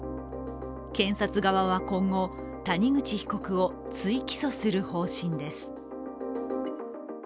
検察側は今後、谷口被告を追起訴する方針です。